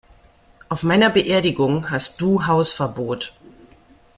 Auf meiner Beerdigung hast du Hausverbot!